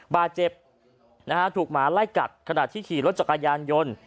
บาดเจ็บนะฮะถูกหมาไล่กัดขณะที่ขี่รถจักรยานยนต์